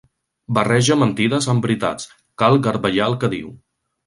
Barreja mentides amb veritats: cal garbellar el que diu.